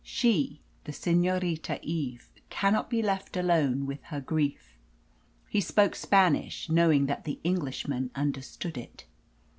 She, the Senorita Eve, cannot be left alone, with her grief." He spoke Spanish, knowing that the Englishman understood it.